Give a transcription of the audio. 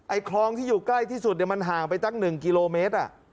คลองที่อยู่ใกล้ที่สุดมันห่างไปตั้ง๑กิโลเมตร